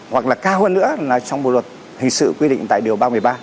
hoặc là cao hơn nữa là trong bộ luật hình sự quy định tại điều ba mươi ba